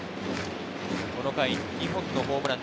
この回、２本のホームラン。